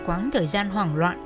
quáng thời gian hoảng loạn